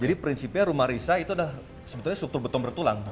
jadi prinsipnya rumah risya itu sudah sebetulnya struktur beton bertulang